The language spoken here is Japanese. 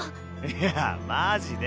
いやマジで。